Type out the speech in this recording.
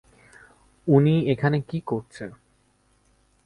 উনি এখানে কী করছে?